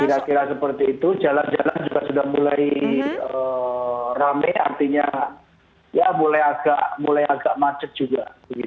kira kira seperti itu jalan jalan juga sudah mulai rame artinya ya mulai agak macet juga